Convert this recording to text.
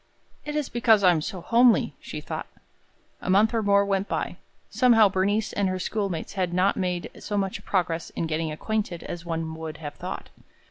"It is because I am so homely!" she thought. A month or more went by. Somehow Bernice and her schoolmates had not made so much progress in getting acquainted as one would have thought.